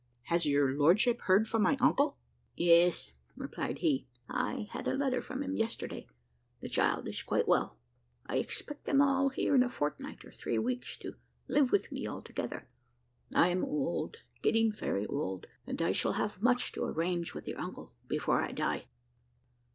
"Has your lordship heard from my uncle?" "Yes," replied he, "I had a letter from him yesterday. The child is quite well. I expect them all here in a fortnight or three weeks, to live with me altogether. I am old getting very old, and I shall have much to arrange with your uncle before I die."